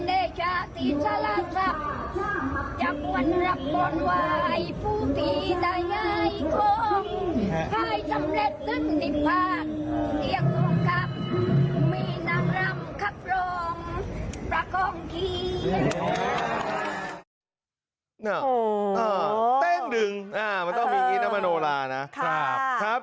โอ้โหต้องมีนี้นะมโนลานะครับ